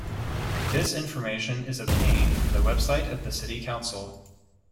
This information is obtained from the website of the city council.